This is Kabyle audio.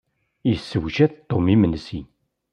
Yessewjad Tom imensi.